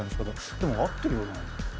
でも合ってるよな。